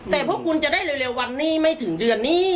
แต่พวกคุณจะได้เร็ววันนี้ไม่ถึงเดือนนี้